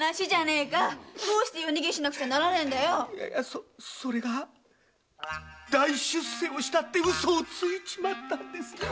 そそれが「大出世をした」って嘘をついちまったんですよ。